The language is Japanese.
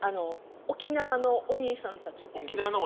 沖縄のお兄さんたちっていう意味です